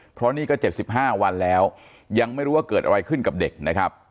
เพราะนี่ก็๗๕วันแล้วยังไม่รู้ว่าเกิดอะไรขึ้นกับเด็กนะครับ